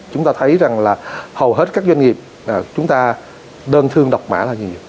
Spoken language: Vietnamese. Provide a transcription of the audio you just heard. chúng ta thấy rằng là hầu hết các doanh nghiệp chúng ta đơn thương độc mã là nhiều